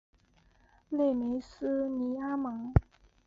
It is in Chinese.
勒梅斯尼阿芒。